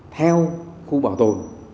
theo khu bảo tồn